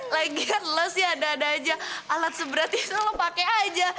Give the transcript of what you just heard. lagian lo sih ada ada aja alat seberat itu lo pakai aja